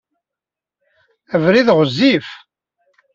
Abrid ɣezzif.